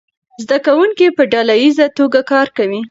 زده کوونکي په ډله ییزه توګه کار کوي.